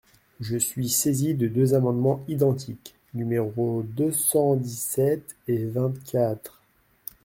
Je suis saisie de deux amendements identiques, numéros deux cent dix-sept et vingt-quatre.